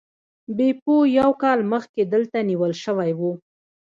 بیپو یو کال مخکې دلته نیول شوی و.